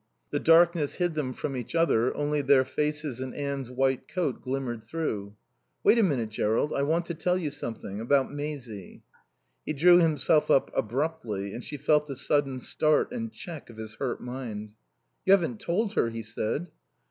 The darkness hid them from each other, only their faces and Anne's white coat glimmered through. "Wait a minute, Jerrold. I want to tell you something. About Maisie." He drew himself up abruptly, and she felt the sudden start and check of his hurt mind. "You haven't told her?" he said.